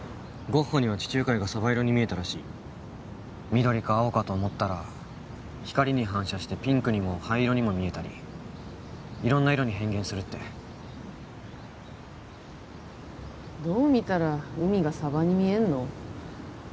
ゴッホには地中海がサバ色に見えたらしい緑か青かと思ったら光に反射してピンクにも灰色にも見えたり色んな色に変幻するってどう見たら海がサバに見えんの？